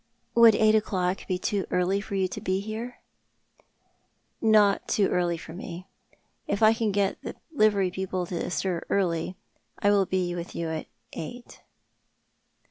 Would eight o'clock be too early for you to be here ?"" Not too early for me. If I can get the livery people to be astir early, I will be with you at eight.